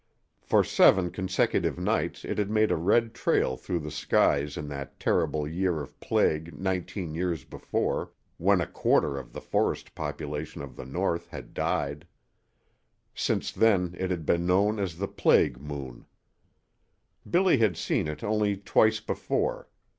For seven consecutive nights it had made a red trail through the skies in that terrible year of plague nineteen years before, when a quarter of the forest population of the north had died. Since then it had been known as the "plague moon." Billy had seen it only twice before.